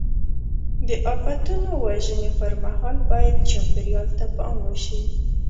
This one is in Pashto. د آفتونو وژنې پر مهال باید چاپېریال ته پام وشي.